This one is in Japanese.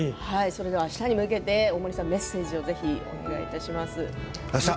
あしたに向けて大森さんメッセージをお願いします。